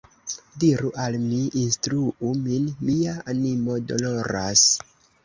Diru al mi, instruu min, mia animo doloras!